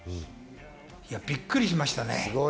びっくりしましたね。